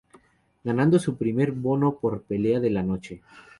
Ganando su primer bono por "Pelea de la Noche".